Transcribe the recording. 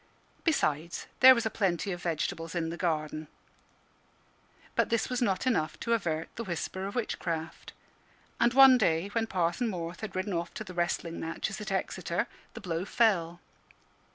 Besides, there was a plenty of vegetables in the garden. But this was not enough to avert the whisper of witchcraft. And one day, when Parson Morth had ridden off to the wrestling matches at Exeter, the blow fell.